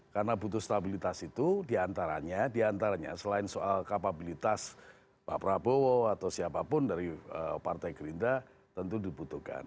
karena butuh stabilitas itu diantaranya selain soal kapabilitas pak prabowo atau siapapun dari partai gerindra tentu dibutuhkan